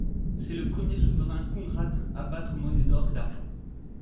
C'est le premier souverain koungrate à battre monnaie d'or et d'argent.